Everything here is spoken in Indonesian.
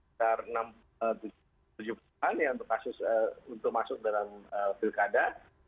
sekarang enam tujuh perjumpaan yang berkasus untuk masuk dalam pilkada